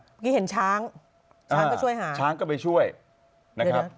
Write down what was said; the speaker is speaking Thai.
เมื่อกี้เห็นช้างช้างก็ช่วยหาช้างก็ไปช่วยนะครับ